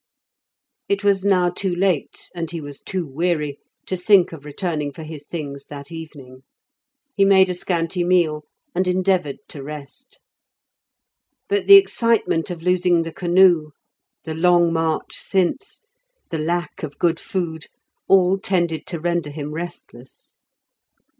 It was now too late, and he was too weary, to think of returning for his things that evening. He made a scanty meal, and endeavoured to rest. But the excitement of losing the canoe, the long march since, the lack of good food, all tended to render him restless.